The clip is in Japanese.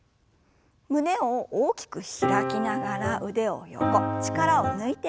胸を大きく開きながら腕を横力を抜いて振りほぐします。